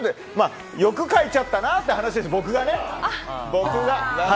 欲かいちゃったなって話です僕がね。